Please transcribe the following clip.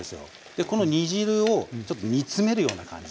でこの煮汁をちょっと煮詰めるような感じで。